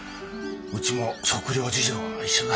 うちも食糧事情は一緒だ。